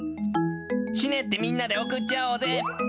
死ねってみんなで送っちゃおうぜ。